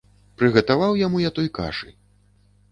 Прыгатаваў яму я той кашы.